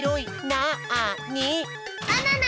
なに？